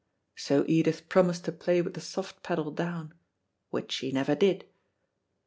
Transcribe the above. So Edith promised to play with the soft pedal down, which she never did.